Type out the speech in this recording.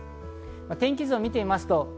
天気図を見てみます。